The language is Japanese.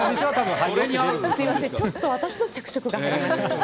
ちょっと私の着色がありました。